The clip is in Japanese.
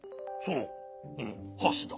うんはしだ。